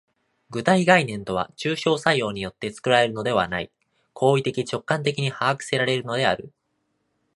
具体概念とは抽象作用によって作られるのではない、行為的直観的に把握せられるのである。